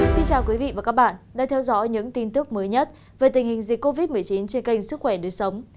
xin chào quý vị và các bạn đang theo dõi những tin tức mới nhất về tình hình dịch covid một mươi chín trên kênh sức khỏe đối sống